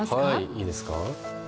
いいですか？